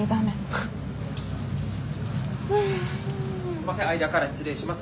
すみません間から失礼します。